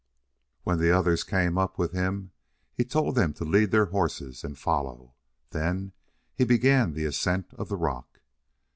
When the others came up with him he told them to lead their horses and follow. Then he began the ascent of the rock.